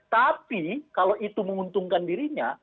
tapi kalau itu menguntungkan dirinya